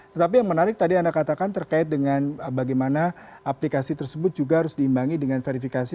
tetapi yang menarik tadi anda katakan terkait dengan bagaimana aplikasi tersebut juga harus diimbangi dengan verifikasi